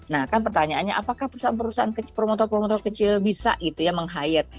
nah kan pertanyaannya apakah perusahaan perusahaan promotor promotor kecil bisa menghayat